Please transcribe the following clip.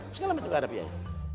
segala macam gak ada biaya